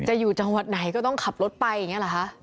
อยู่จังหวัดไหนก็ต้องขับรถไปอย่างนี้หรอคะ